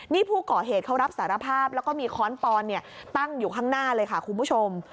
นี่ผู้ก่อเหตุเขารับสารภาพแล้วก็มีค้อนปอนตั้งอยู่ข้างหน้าเลยค่ะคุณผู้ชม